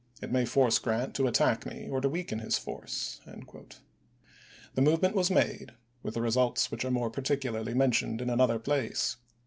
It may force Grant to attack me, or to weaken his force." The move ment was made with results which are more partic ularly mentioned in another place.